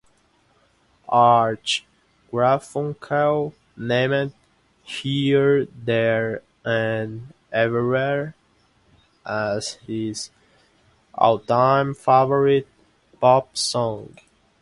Art Garfunkel named "Here, There and Everywhere" as his "all-time favorite pop song".